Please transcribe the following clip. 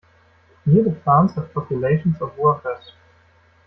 Near the plants have populations of workers.